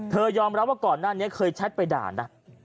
ยอมรับว่าก่อนหน้านี้เคยแชทไปด่านะ